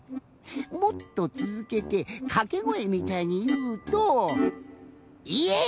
もっとつづけてかけごえみたいにいうと。